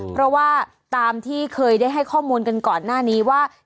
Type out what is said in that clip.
เพราะว่าตามที่เคยได้ให้ข้อมูลกันก่อนหน้านี้ว่า